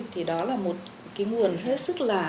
thì đó là một cái nguồn hết sức là